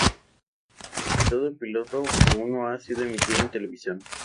El episodio piloto aún no ha sido emitido en televisión.